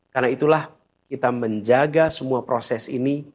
karena itulah kita menjaga semua proses ini